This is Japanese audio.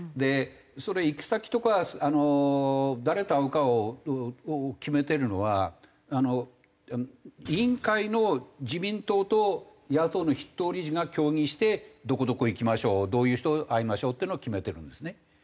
それ行き先とか誰と会うかを決めてるのは委員会の自民党と野党の筆頭理事が協議してどこどこ行きましょうどういう人と会いましょうっていうのを決めてるんですね。